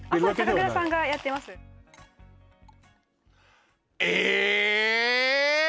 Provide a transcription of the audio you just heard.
酒蔵さんがやってますえ！